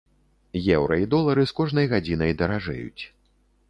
Еўра і долары з кожнай гадзінай даражэюць.